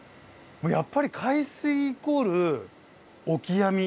やっぱり海水イコールオキアミ。